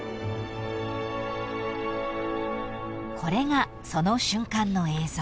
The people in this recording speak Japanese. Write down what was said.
［これがその瞬間の映像］